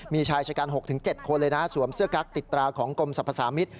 มีชายชะกัน๖๗คนเลยนะสวมเสื้อกั๊กติดตราของกรมสรรพสามิตร